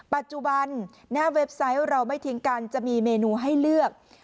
ปัจจุบันหน้าเว็บไซต์เราไม่ทิ้งกันจะมีเมนูให้เลือก